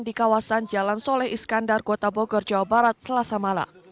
di kawasan jalan soleh iskandar kota bogor jawa barat selasa malam